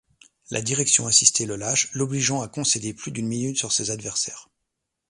La direction assistée le lâche, l'obligeant à concéder plus d'une minute sur ses adversaires.